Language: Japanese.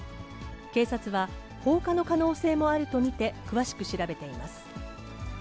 警察は、放火の可能性もあると見て、詳しく調べています。